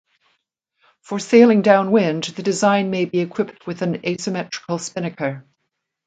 For sailing downwind the design may be equipped with an asymmetrical spinnaker.